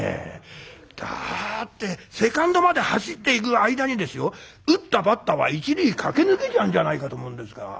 だってセカンドまで走っていく間にですよ打ったバッターは一塁駆け抜けちゃうんじゃないかと思うんですが。